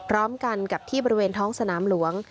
พร้อมกันกับที่บริเวณท้องสนามหลวง